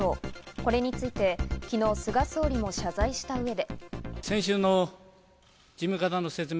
これについて昨日、菅総理も謝罪した上で。